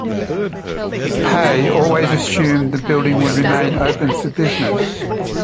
Pei always assumed the building would remain open for business.